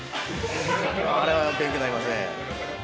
あれは勉強になりますね。